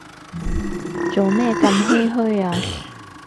做咩咁唏噓啊